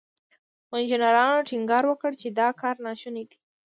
خو انجنيرانو ټينګار وکړ چې دا کار ناشونی دی.